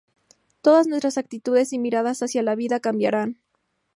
Todas nuestras actitudes y miradas hacia la vida cambiarán.